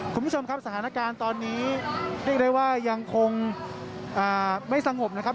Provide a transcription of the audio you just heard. คุณผู้ชมครับสถานการณ์ตอนนี้เรียกได้ว่ายังคงไม่สงบนะครับ